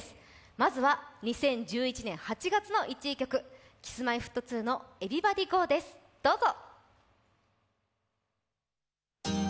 まずは２０１１年８月の１位曲、Ｋｉｓ−Ｍｙ−Ｆｔ２の「ＥｖｅｒｙｂｏｄｙＧｏ」です、どうぞ。